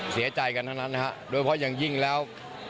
เสียใจกันทั้งนั้นนะฮะโดยเพราะอย่างยิ่งแล้ว